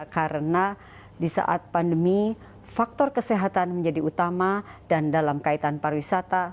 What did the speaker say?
karena di saat pandemi faktor kesehatan menjadi utama dan dalam kaitan pariwisata